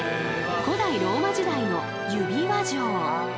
古代ローマ時代の指輪錠。